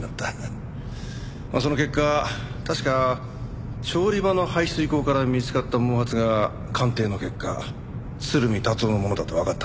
その結果確か調理場の排水口から見つかった毛髪が鑑定の結果鶴見達男のものだとわかったんだ。